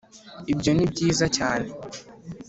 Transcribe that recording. ibyo ni byiza; cyane